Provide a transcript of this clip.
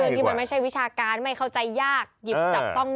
คือเงินที่มันไม่ใช่วิชาการไม่เข้าใจยากหยิบจับต้องง่าย